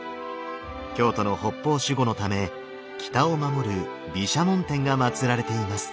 京都の北方守護のため北を守る毘沙門天がまつられています。